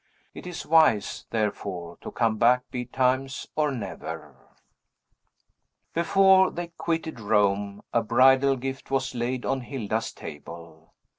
It is wise, therefore, to come back betimes, or never. Before they quitted Rome, a bridal gift was laid on Hilda's table.